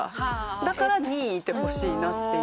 だから２いてほしいなっていう。